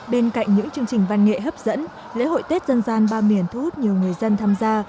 bên cạnh những chương trình văn nghệ hấp dẫn lễ hội tết dân gian ba miền thu hút nhiều người dân tham gia